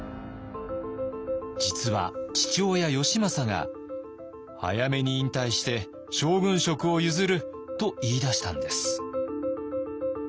実は父親義政が「早めに引退して将軍職を譲る」と言いだしたんです。